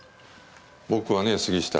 僕はね杉下。